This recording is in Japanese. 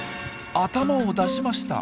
頭を出しました。